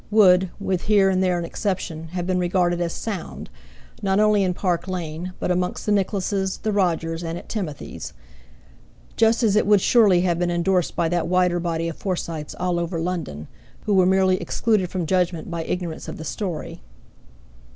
would, with here and there an exception, have been regarded as sound, not only in Park Lane, but amongst the Nicholases, the Rogers, and at Timothy's. Just as it would surely have been endorsed by that wider body of Forsytes all over London, who were merely excluded from judgment by ignorance of the story.